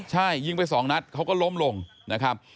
ใช่ยิงไปสองนัดเขาก็ล้มลงนะครับ